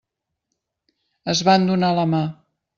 Es van donar la mà.